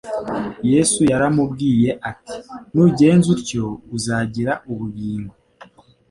Yesu yaramubwiye ati: «Nugenza utyo uzagira ubugingo.»